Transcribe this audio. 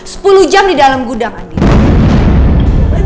sepuluh jam di dalam gudang adik